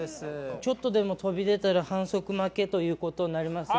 ちょっとでも飛び出たら反則負けということになります。